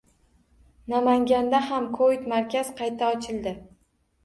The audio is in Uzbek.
Namanganda ham kovid-markaz qayta ochildi